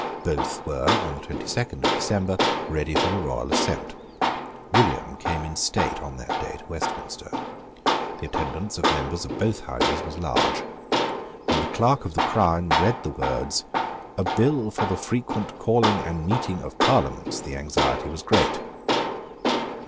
Both were, on the twenty second of December, ready for the royal assent. William came in state on that day to Westminster. The attendance of members of both Houses was large. When the Clerk of the Crown read the words, "A Bill for the frequent Calling and Meeting of Parliaments," the anxiety was great.